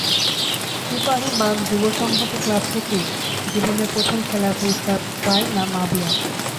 সিপাহিবাগ যুব সংহতি ক্লাব থেকেই জীবনে প্রথম খেলার পুরস্কার পায় মাবিয়া।